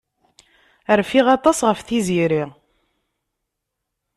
Rfiɣ aṭas ɣef Tiziri.